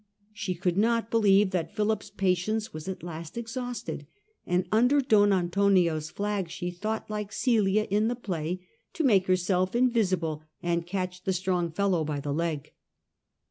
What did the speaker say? She could not believe that Philip's patience was at last exhausted ; and under Don Antonio's flag she thought, like Celia in the play, to make herself invisible and " catch the strong fellow by the leg."